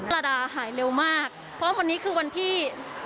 ดาดาหายเร็วมากเพราะวันนี้คือวันที่